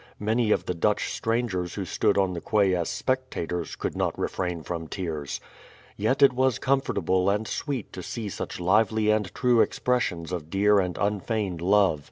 Many of the Dutch strangers who stood on the quay as spectators, could not refrain from tears. Yet it was comfortable and sweet to see such lively and true expressions of dear and unfeigned love.